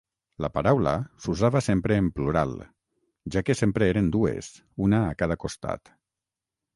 La paraula s'usava sempre en plural, ja que sempre eren dues, una a cada costat.